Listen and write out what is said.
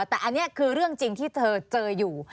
แต่อันนี้คือเรื่องจริงที่เธอเจออยู่